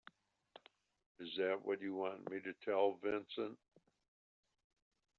Is that what you want me to tell Vincent?